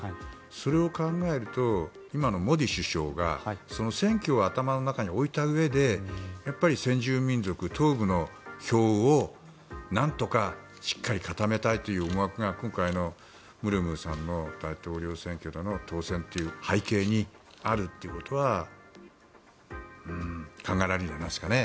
それを考えると今のモディ首相がその選挙を頭の中に置いたうえでやっぱり先住民族東部の票をなんとかしっかり固めたいという思惑が今回のムルムーさんの大統領選挙での当選という背景にあるということは考えられるんじゃないですかね。